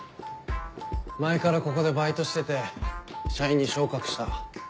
前からここでバイトしてて社員に昇格した。